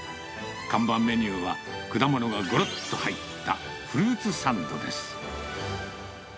看板メニューは、果物がごろっと入ったフルーツサンドです。